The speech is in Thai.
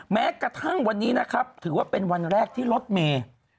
แม้กระทั่งวันนี้นะครับถือว่าเป็นวันแรกที่รถเมย์